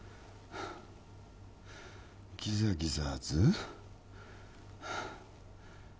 ギザギザズ？